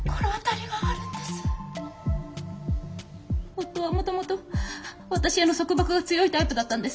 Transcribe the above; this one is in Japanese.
夫はもともと私への束縛が強いタイプだったんです。